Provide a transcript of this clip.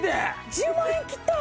１０万円切った！